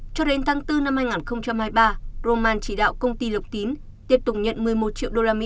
cho đến tháng bốn năm hai nghìn hai mươi ba roman chỉ đạo công ty lộc tín tiếp tục nhận một mươi một triệu usd